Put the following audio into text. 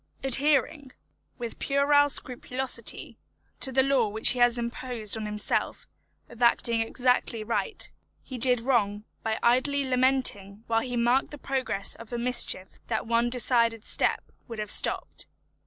Adhering, with puerile scrupulosity, to the law which he has imposed on himself, of acting exactly right, he did wrong by idly lamenting whilst he marked the progress of a mischief that one decided step would have stopped.